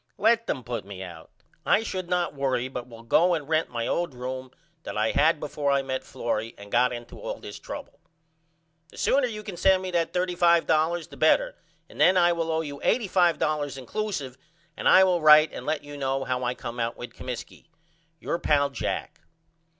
Let them put me out. I should not worry but will go and rent my old room that I had before I met Florrie and got into all this trouble. The sooner you can send me that $35.00 the better and then I will owe you $85.00 inclusive and I will write and let you know how I come out with Comiskey. Your pal, JACK.